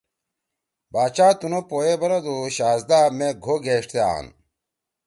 باچا تنُو پو ئے بنَدُو: ”شہزَدا! مے گھو گیݜتے آن۔“